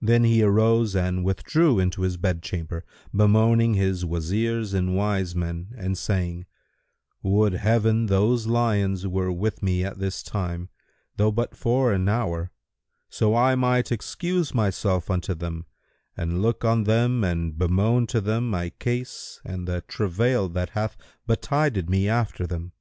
Then he arose and withdrew into his bedchamber, bemoaning his Wazirs and wise men and saying, "Would Heaven those lions were with me at this time, though but for an hour; so I might excuse myself unto them and look on them and bemoan to them my case and the travail that hath betided me after them!"